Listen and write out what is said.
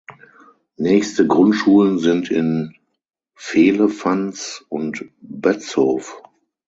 Nächste Grundschulen sind in Vehlefanz und Bötzow.